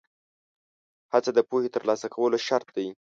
هڅه د پوهې ترلاسه کولو شرط دی.